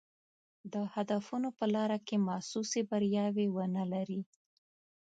د هدفونو په لاره کې محسوسې بریاوې ونه لري.